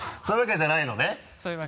そういうわけじゃないです。